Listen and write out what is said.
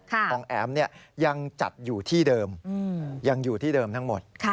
ของแอ๋มยังจัดอยู่ที่เดิมยังอยู่ที่เดิมทั้งหมด